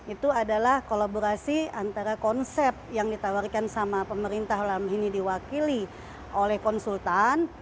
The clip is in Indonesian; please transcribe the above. itu adalah kolaborasi antara konsep yang ditawarkan sama pemerintah dalam ini diwakili oleh konsultan